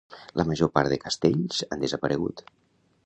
La major part de castells han desaparegut.